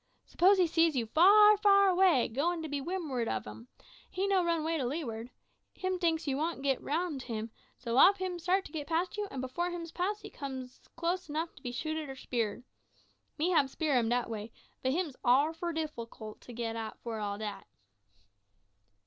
Suppose he see you far, far away, goin' to de wind'ard ob him, he no run 'way to leeward; hims tink you wants to get round him, so off him start to git past you, and before hims pass he sometimes come close 'nuff to be shooted or speared. Me hab spear him dat way, but him's awful differcult to git at for all dat."